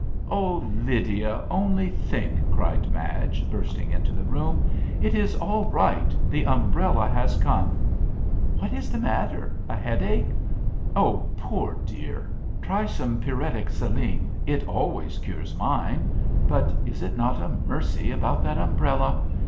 "Oh, Lydia! only think!" cried Madge, bursting into the room; "it is all right — the umbrella has come. What is the matter — a headache ? Oh, poor dear I try some pyretic saline — ^it always cures mine. But is it not a mercy about that umbrella?